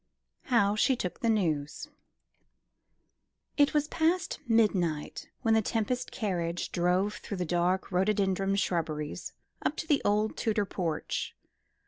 How she took the News. It was past midnight when the Tempest carriage drove through the dark rhododendron shrubberies up to the old Tudor porch.